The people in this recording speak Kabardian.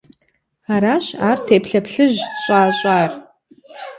Аращ ар теплъэ плъыжь щӏащӏар.